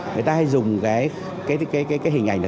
người ta hay dùng cái hình ảnh